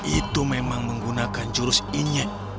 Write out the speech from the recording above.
itu memang menggunakan jurus injek